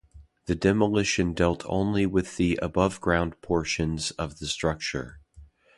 The demolition dealt only with the aboveground portions of the structure.